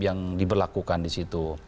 yang diberlakukan disitu